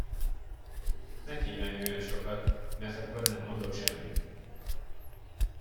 Ne kívánj olyan sokat, mert akkor nem mondok semmit!